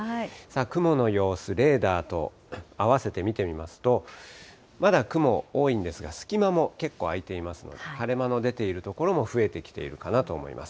雲の様子、レーダーと合わせて見てみますと、まだ雲、多いんですが、隙間も結構空いていますので、晴れ間の出ている所も増えてきているかなと思います。